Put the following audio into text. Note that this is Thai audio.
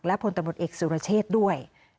และพลตำรวจเอกสุรเชษด้วย